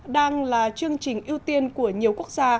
đang là chương trình ưu tiên của nhiều quốc gia